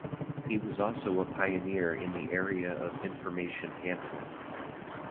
He was also a pioneer in the area of information handling.